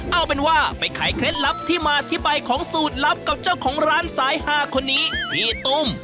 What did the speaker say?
เอาเป็นว่าไปขายเคล็ดลับที่มาที่ไปของสูตรลับกับเจ้าของร้านสายหาคนนี้พี่ตุ้ม